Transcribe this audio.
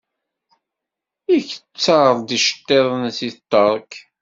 Iketter-d iceḍḍiḍen seg Ṭṭerk.